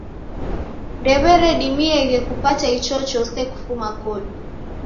Ndew'eredimieghe kupata ichochose kufuma kodu.